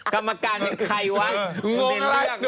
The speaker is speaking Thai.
ทำการยังใครวะ